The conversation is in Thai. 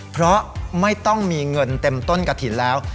เพราะไม่ต้องมีเงินเต็มต้นกระถิ่นแล้ว